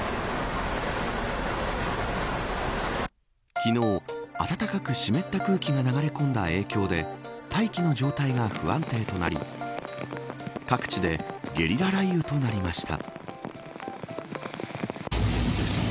昨日の暖かく湿った空気が流れ込んだ影響で大気の状態が不安定となり各地でゲリラ雷雨となりました。